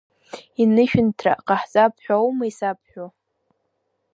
Инышәынҭра ҟаҳҵап ҳәа аума исабҳәо?